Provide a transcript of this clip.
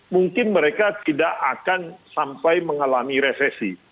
mungkin mereka tidak akan sampai mengalami resesi